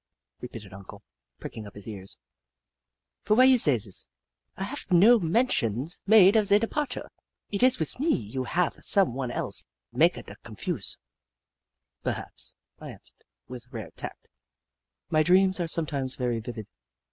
repeated Uncle, pricking up his ears, *' for w'y you say zis ? 1 haf no Hoop La 147 mentions made of ze departure — it is wis me you haf someone else maka da confuse." " Perhaps," I answered, with rare tact. " My dreams are sometimes very vivid."